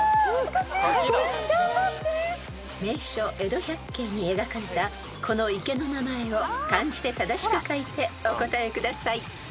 ［『名所江戸百景』に描かれたこの池の名前を漢字で正しく書いてお答えください］